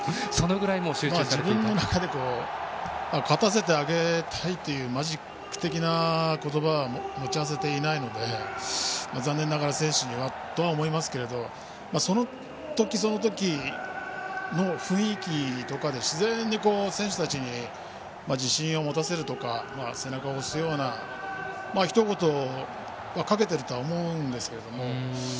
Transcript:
自分の中では勝たせてあげたいというマジック的な言葉は持ち合わせていないので残念ながら選手にはと思いますけどその時その時の雰囲気とかで自然に選手たちに自信を持たせるとか背中を押すような、ひと言をかけているとは思うんですが。